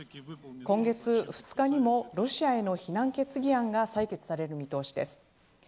今月２日にもロシアへの非難決議案が採決される見通しです。